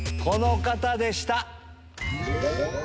この方でした！